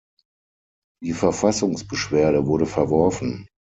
Die Verfassungsbeschwerde wurde verworfen.